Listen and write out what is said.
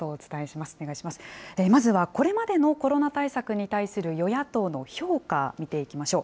まずは、これまでのコロナ対策に対する与野党の評価、見ていきましょう。